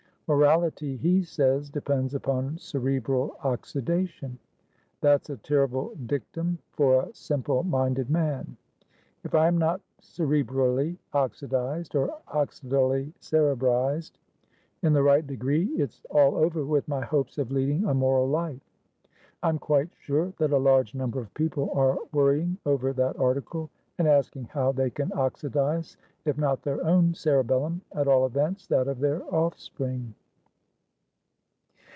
'Morality,' he says, 'depends upon cerebral oxidation.' That's a terrible dictum for a simpleminded man. If I am not cerebrally oxidised, or oxidally cerebrised, in the right degree, it's all over with my hopes of leading a moral life. I'm quite sure that a large number of people are worrying over that article, and asking how they can oxidise if not their own cerebellum, at all events that of their offspring."